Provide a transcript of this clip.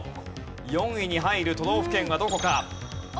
４位に入る都道府県はどこか？